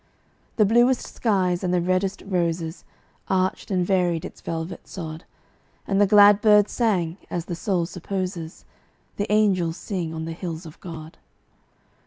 The bluest skies and the reddest roses Arched and varied its velvet sod; And the glad birds sang, as the soul supposes The angels sing on the hills of God.